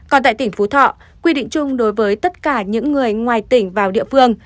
còn tại tỉnh phú thọ quy định chung đối với tất cả những người ngoài tỉnh vào địa phương